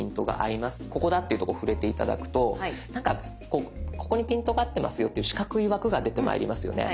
ここだっていうところ触れて頂くとなんかここにピントが合ってますよっていう四角い枠が出てまいりますよね。